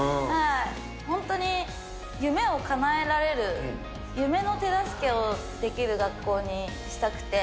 本当に夢をかなえられる、夢の手助けをできる学校にしたくて。